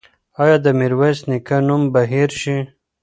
ایا د میرویس نیکه نوم به هېر شي؟